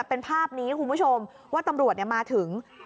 เป็นภาพนี้คุณผู้ชมว่าตำรวจมาถึง